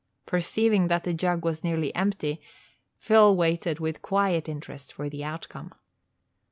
Perceiving that the jug was nearly empty, Phil waited with quiet interest for the outcome.